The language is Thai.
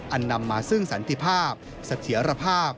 อันนำมาซึ่งสันติภาพสัตเจรภาพ